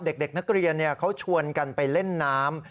เด็กนักเรียนเขาชวนกันไปเล่นน้ำ